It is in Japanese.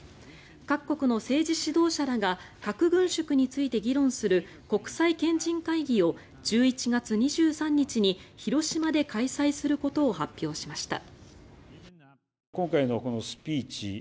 各国の政治指導者らが核軍縮について議論する国際賢人会議を１１月２３日に広島で開催することを発表しました。